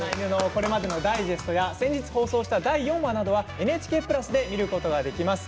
これまでのダイジェストや先日、放送した第４話などはＮＨＫプラスで見ることができます。